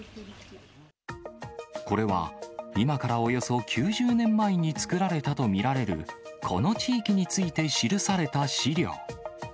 これは今からおよそ９０年前に作られたと見られる、この地域について記された資料。